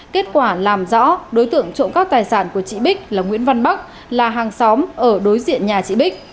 kết quả làm rõ đối tượng trộm các tài sản của chị bích là nguyễn văn bắc là hàng xóm ở đối diện nhà chị bích